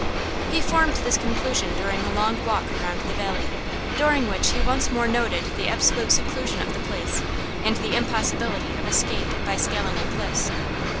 He formed this conclusion during a long walk around the valley, during which he once more noted the absolute seclusion of the place and the impossibility of escape by scaling the cliffs.